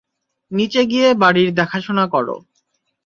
নিচে গিয়ে বাড়ির দেখাশোনা কর।